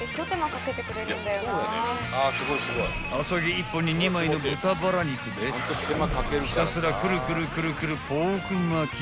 ［厚揚げ１本に２枚の豚バラ肉でひたすらくるくるくるくるポーク巻き］